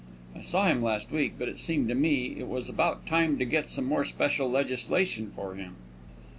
I saw him last week, but it seemed to me it was about time to get some more special legislation for him.